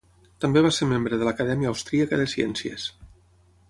També va ser membre de l'Acadèmia austríaca de ciències.